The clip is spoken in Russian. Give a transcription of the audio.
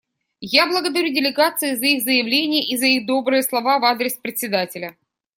Я благодарю делегации за их заявления и за их добрые слова в адрес Председателя.